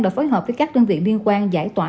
đã phối hợp với các đơn vị liên quan giải tỏa